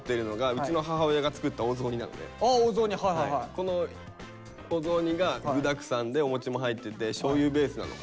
僕がこのお雑煮が具だくさんでお餅も入っててしょうゆベースなのかな。